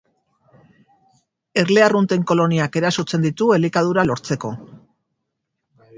Erle arrunten koloniak erasotzen ditu elikadura lortzeko.